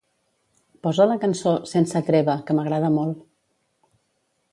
Posa la cançó "Sense treva", que m'agrada molt.